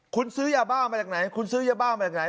คุณซื้อยาบ้ามาจากไหนคุณซื้อยาบ้ามาจากไหน